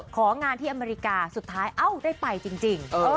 ของานที่อเมริกาสุดท้ายเอ้าได้ไปจริง